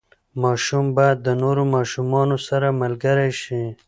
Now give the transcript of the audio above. ماشوم باید د نورو ماشومانو سره ملګری شي.